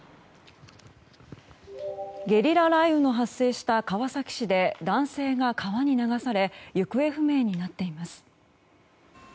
ゲリラ雷雨の発生した川崎市で男性が川に流され行方不明になっています。